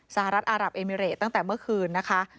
สหรัฐอารับเอมิเรตตั้งแต่เมื่อคืนนะคะ